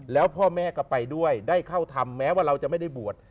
แล้วพ่อแม่ก็ไปด้วยได้เข้าทำแม้ว่าเราจะไม่ได้บวช